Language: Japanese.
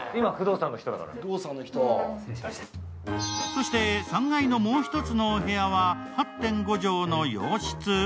そして、３階のもう１つのお部屋は８．５畳の洋室。